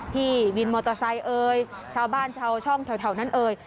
พี่วินมอเตอร์ไซค์เอ่ยชาวบ้านชาวช่องแถวนั้นเอ่ย